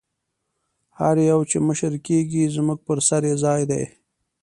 هر یو چې مشر کېږي زموږ پر سر یې ځای دی.